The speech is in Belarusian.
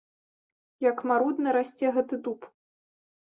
Як марудна расце гэты дуб!